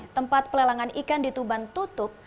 tempat pelelangan ikan dituban tutup